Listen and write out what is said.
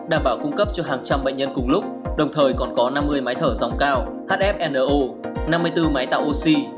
đảm bảo cung cấp cho hàng trăm bệnh nhân cùng lúc đồng thời còn có năm mươi máy thở dòng cao hfno năm mươi bốn máy tạo oxy